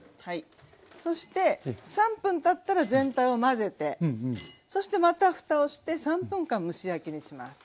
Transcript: そして３分たったら全体を混ぜてそしてまたふたをして３分間蒸し焼きにします。